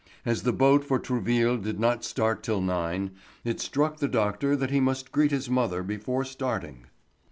As the boat for Trouville did not start till nine, it struck the doctor that he must greet his mother before starting.